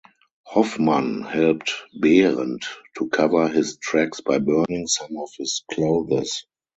Hoffmann helped Behrendt to cover his tracks by burning some of his clothes.